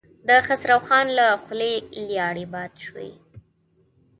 د خسرو خان له خولې لاړې باد شوې.